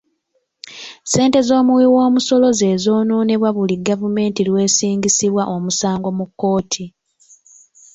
Ssente z'omuwi w'omusolo ze zoonoonebwa buli gavumenti lw'esingisibwa omusango mu kkooti.